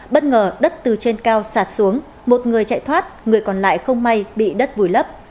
bất ngờ đất từ trên cao sạt xuống một người chạy thoát người còn lại không may bị đất vùi lấp